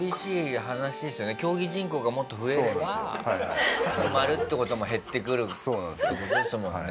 競技人口がもっと増えれば埋まるって事も減ってくるって事ですもんね。